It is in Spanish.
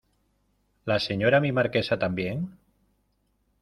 ¿ la Señora mi Marquesa también?